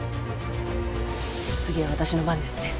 次は私の番ですね。